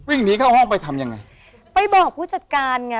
วิ่งหนีเข้าห้องไปทำยังไงไปบอกผู้จัดการไง